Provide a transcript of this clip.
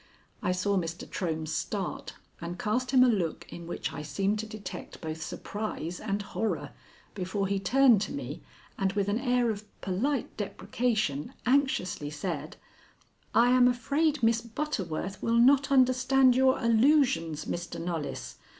I saw Mr. Trohm start and cast him a look in which I seemed to detect both surprise and horror, before he turned to me and with an air of polite deprecation anxiously said: "I am afraid Miss Butterworth will not understand your allusions, Mr. Knollys.